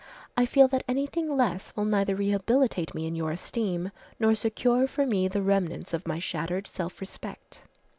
I feel that anything less will neither rehabilitate me in your esteem, nor secure for me the remnants of my shattered self respect.